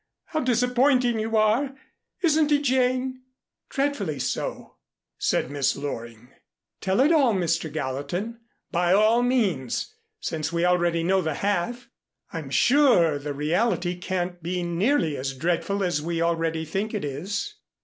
How disappointing you are! Isn't he, Jane?" "Dreadfully so," said Miss Loring. "Tell it all, Mr. Gallatin, by all means, since we already know the half. I'm sure the reality can't be nearly as dreadful as we already think it is."